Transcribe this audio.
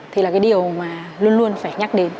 thì là cái điều mà luôn luôn phải nhắc đến